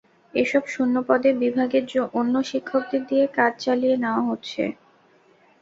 এসব শূন্য পদে বিভাগের অন্য শিক্ষকদের দিয়ে কাজ চালিয়ে নেওয়া হচ্ছে।